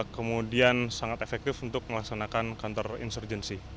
kemudian sangat efektif untuk melaksanakan kantor insurgency